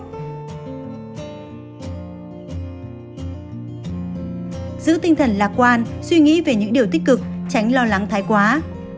giữ tinh thần lạc quan suy nghĩ về những điều tích cực tránh lo lắng thái quá